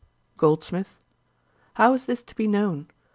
GOLDSMITH. 'How is this to be known?